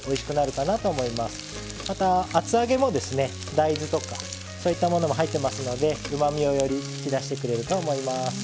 大豆とかそういったものも入ってますのでうまみをより引き出してくれると思います。